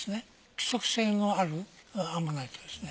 規則性のあるアンモナイトですね。